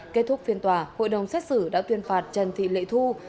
kết thúc phiên tòa hội đồng xét xử đã tuyên phạt trần thị lệ thu